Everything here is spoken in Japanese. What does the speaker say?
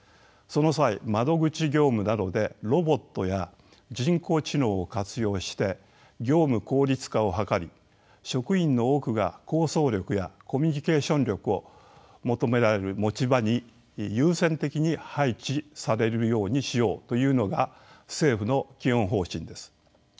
その際窓口業務などでロボットや人工知能を活用して業務効率化を図り職員の多くが構想力やコミュニケーション力を求められる持ち場に優先的に配置されるようにしようというのが政府の基本方針です。